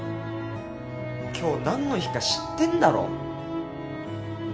今日何の日か知ってんだろ？